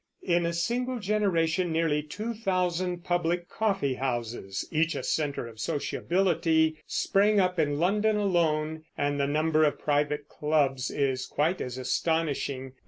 In a single generation nearly two thousand public coffeehouses, each a center of sociability, sprang up in London alone, and the number of private clubs is quite as astonishing.